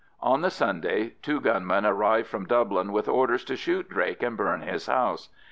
On the Sunday two gunmen arrived from Dublin with orders to shoot Drake and burn his house.